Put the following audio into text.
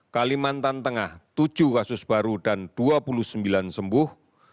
kalimantan tengah tujuh kasus baru dan dua puluh sembilan sembuh